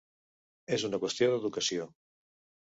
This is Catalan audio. És una qüestió d’educació.